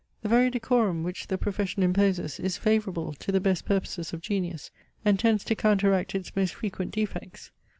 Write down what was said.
The very decorum, which the profession imposes, is favourable to the best purposes of genius, and tends to counteract its most frequent defects.